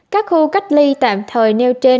các khu cách ly tạm thời nêu trên